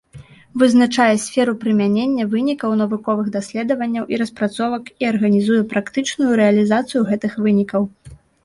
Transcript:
Вызначае сферу прымянення вынікаў навуковых даследаванняў і распрацовак і арганізуе практычную рэалізацыю гэтых вынікаў.